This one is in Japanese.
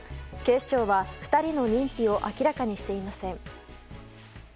警視庁は２人の認否を明らかにしていません。